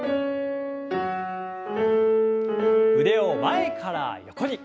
腕を前から横に。